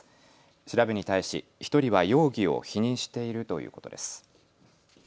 調べに対し１人は容疑を否認しているということです。